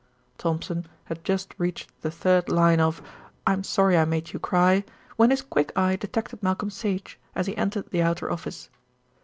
Thompson had just reached the third line of "I'm Sorry I Made You Cry," when his quick eye detected Malcolm Sage as he entered the outer office.